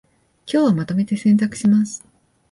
今日はまとめて洗濯します